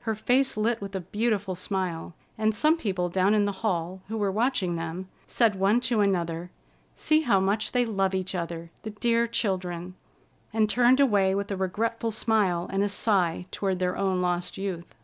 Her face lit with a beautiful smile, and some people down in the hall, who were watching them, said one to another: "See how much they love each other, the dear children!" and turned away with a regretful smile and a sigh toward their own lost youth.